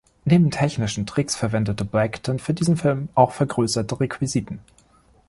Neben technischen Tricks verwendete Blackton für diesen Film auch vergrößerte Requisiten.